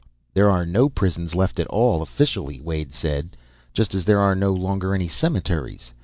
"There are no prisons left at all officially," Wade said. "Just as there are no longer any cemeteries.